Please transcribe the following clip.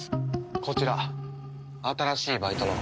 こちら新しいバイトの。